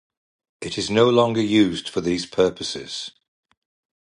It is no longer used for these purposes.